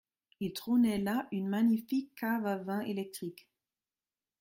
Il trônait là une magnifique cave à vin électrique